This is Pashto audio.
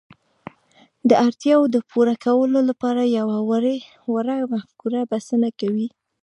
د اړتياوو د پوره کولو لپاره يوه وړه مفکوره بسنه کوي.